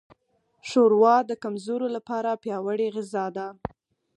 ښوروا د کمزورو لپاره پیاوړې غذا ده.